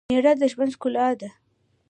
مېړه دژوند ښکلا ده